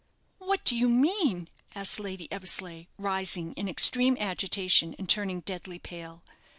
"What do you mean?" asked Lady Eversleigh, rising, in extreme agitation, and turning deadly pale.